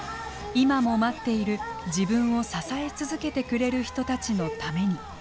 今も待っている自分を支え続けてくれる人たちのために。